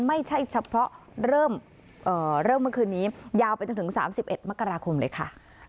ไม่ใช่เฉพาะเริ่มเมื่อคืนนี้ยาวไปจนถึง๓๑มกราคมเลยค่ะ